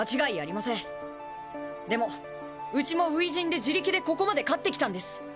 でもうちも初陣で自力でここまで勝ってきたんです！